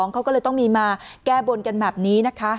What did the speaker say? เขาก็เลยต้องมีมาแก้บนกันแบบนี้นะคะ